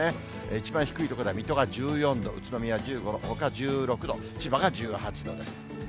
一番低い所では水戸が１４度、宇都宮１５度、ほか１６度、千葉が１８度です。